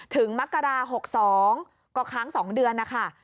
ถึงมกราศาสตร์๖๒ก็ค้าง๒เดือนนะคะ